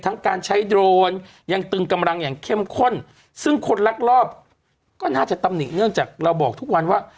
การใช้โดรนยังตึงกำลังอย่างเข้มข้นซึ่งคนลักลอบก็น่าจะตำหนิเนื่องจากเราบอกทุกวันว่า